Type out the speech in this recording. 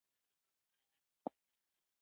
ما د ده په ځواب کې هیڅ ونه ویل.